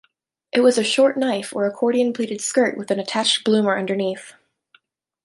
It was a short knife or accordion pleated skirt with an attached bloomer underneath.